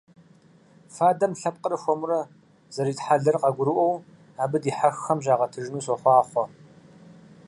Фадэм лъэпкъыр хуэмурэ зэритхьэлэр къагурыӀуэу абы дихьэххэм щагъэтыжыну сохъуахъуэ!